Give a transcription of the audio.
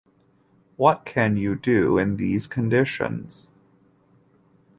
What can you do in these conditions?